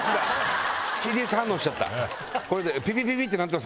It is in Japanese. ＴＤＳ反応しちゃった。